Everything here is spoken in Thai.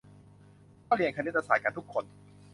ก็เรียนคณิตศาสตร์กันทุกคน